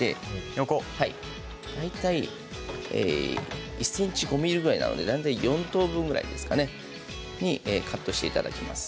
横？大体１ｃｍ５ｍｍぐらいなので４等分ぐらいですかねカットしていただきます。